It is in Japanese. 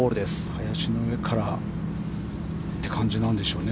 林の上からという感じなんでしょうね。